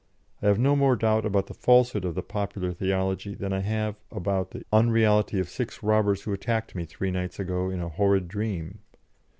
I have no more doubt about the falsehood of the popular theology than I have about the unreality of six robbers who attacked me three nights ago in a horrid dream.